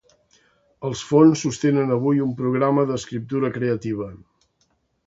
Els fons sostenen avui un programa d'escriptura creativa.